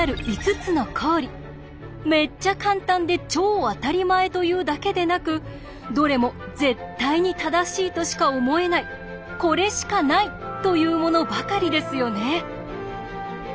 めっちゃカンタンで超あたりまえというだけでなくどれも「絶対に正しいとしか思えないこれしかない」というものばかりですよね。